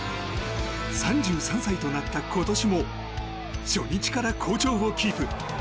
３３歳となった今年も初日から好調をキープ。